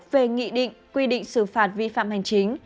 về nghị định quy định xử phạt vi phạm hành chính